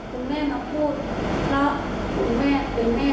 สำหรับที่ออกมาพูดแบบนี้